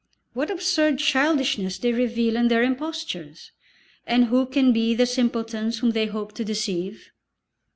What absurd childishness they reveal in their impostures! And who can be the simpletons whom they hope to deceive?